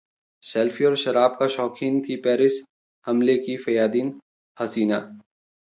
selfie और शराब की शौकीन थी पेरिस हमले की फिदायीन हसीना